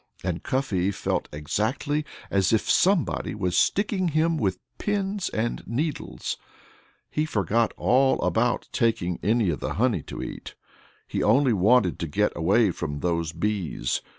And Cuffy felt exactly as if somebody was sticking him with pins and needles. He forgot all about taking any of the honey to eat. He only wanted to get away from those bees.